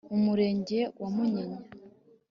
mu Murenge wa Munyinya